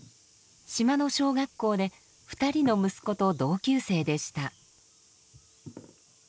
島の小学校で二人の息子と同級生でした。